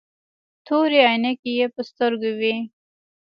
تورې عينکې يې په سترګو وې.